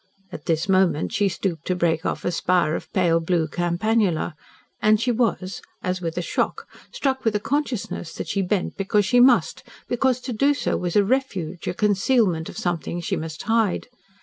At this moment she stooped to break off a spire of pale blue campanula. And she was as with a shock struck with a consciousness that she bent because she must because to do so was a refuge a concealment of something she must hide.